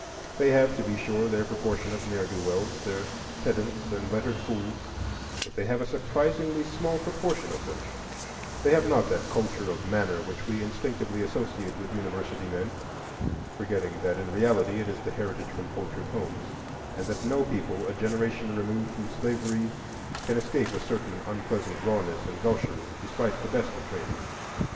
They have, to be sure, their proportion of ne'er do wells, their pedants and lettered fools, but they have a surprisingly small proportion of them; they have not that culture of manner which we instinctively associate with university men, forgetting that in reality it is the heritage from cultured homes, and that no people a generation removed from slavery can escape a certain unpleasant rawness and gaucherie, despite the best of training.